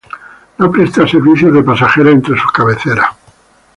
No presta servicios de pasajeros entre sus cabeceras.